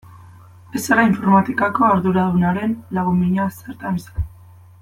Ez zara informatikako arduradunaren lagun mina zertan izan.